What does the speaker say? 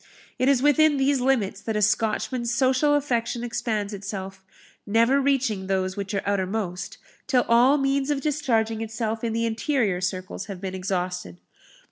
It is within these limits that a Scotchman's social affection expands itself, never reaching those which are outermost, till all means of discharging itself in the interior circles have been exhausted.